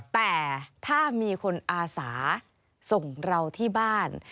แต่ถ้ามีคนอาสาส่งเราที่บ้าน